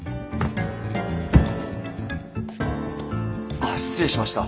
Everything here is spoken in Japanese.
あ失礼しました。